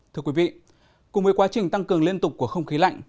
thưa quý vị cùng với quá trình tăng cường liên tục của không khí lạnh